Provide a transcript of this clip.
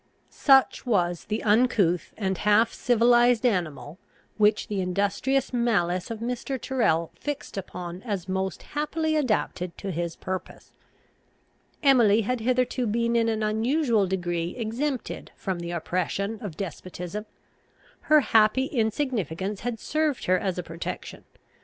Such was the uncouth and half civilised animal, which the industrious malice of Mr. Tyrrel fixed upon as most happily adapted to his purpose. Emily had hitherto been in an unusual degree exempted from the oppression of despotism. Her happy insignificance had served her as a protection.